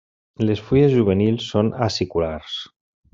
Les fulles juvenils són aciculars.